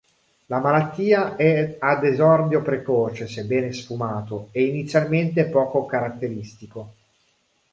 La malattia è ad esordio precoce, sebbene sfumato, e inizialmente poco caratteristico.